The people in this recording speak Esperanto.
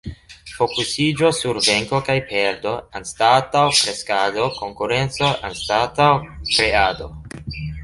Fokusiĝo sur venko kaj perdo, anstataŭ kreskado; konkurenco anstataŭ kreado.